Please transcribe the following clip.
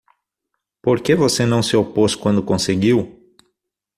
Por que você não se opôs quando conseguiu?